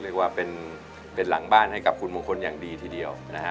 เรียกว่าเป็นหลังบ้านให้กับคุณมงคลอย่างดีทีเดียวนะฮะ